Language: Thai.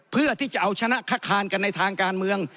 เพื่อที่จะเอาชนะคคานกันในทางการเมือง